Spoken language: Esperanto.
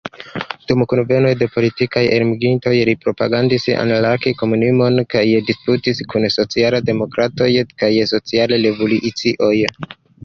Dum kunvenoj de politikaj elmigrintoj li propagandis anarki-komunismon kaj disputis kun social-demokratoj kaj social-revoluciistoj.